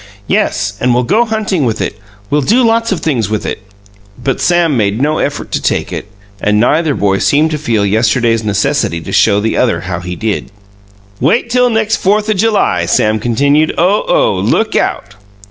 "Yes, and we'll go huntin' with it. We'll do lots of things with it!" But Sam made no effort to take it, and neither boy seemed to feel yesterday's necessity to show the other how he did. "Wait till next Fourth o' July!" Sam continued. "Oh, oh! Look out!"